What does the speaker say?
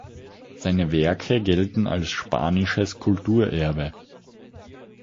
Seine Werke gelten als spanisches Kulturerbe.